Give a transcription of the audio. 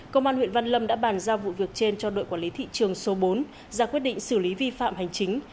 công an huyện văn lâm đã bàn giao vụ việc trên cho đội quản lý thị trường số bốn ra quyết định xử lý vi phạm hành chính